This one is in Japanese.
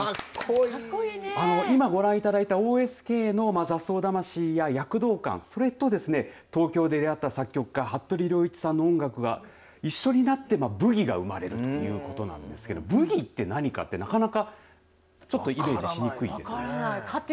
今、ご覧いただいたＯＳＫの雑草魂や躍動感それと東京で出会った作曲家、服部良一さんの音楽が一緒になってブギが生まれるということなんですけれどブギって何かってなかなかイメージしにくいですよね。